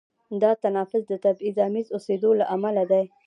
دا تناقض د تبعیض آمیز اوسېدو له امله دی.